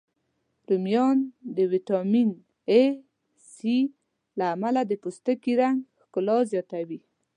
رومیان د ویټامین C، A، له امله د پوستکي د رنګ ښکلا زیاتوی